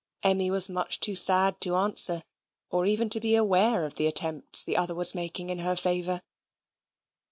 Emmy was much too sad to answer, or even to be aware of the attempts the other was making in her favour.